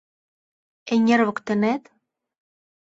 — Эҥер воктенет?..